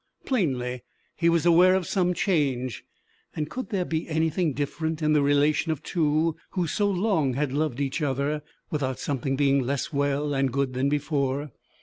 Plainly he was aware of some change; and could there be anything different in the relation of two who so long had loved each other, without something being less well and good than before?